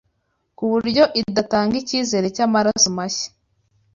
ku buryo idatanga icyizere cy’amaraso mashya